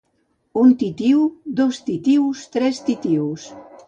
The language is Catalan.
Un titiu dos titius tres titius